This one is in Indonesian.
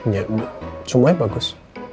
ya semuanya bagus